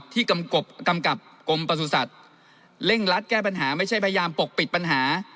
กำกับกรมประสุทธิ์เร่งรัดแก้ปัญหาไม่ใช่พยายามปกปิดปัญหา